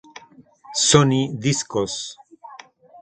Sony Discos.